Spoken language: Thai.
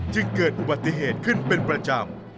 จึงเกิดอุบัติเหตุขึ้นเป็นประจำ